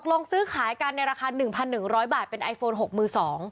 ลงซื้อขายกันในราคา๑๑๐๐บาทเป็นไอโฟน๖มือ๒